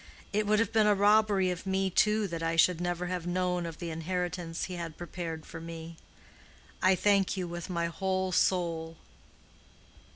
It would have been a robbery of me too that I should never have known of the inheritance he had prepared for me. I thank you with my whole soul."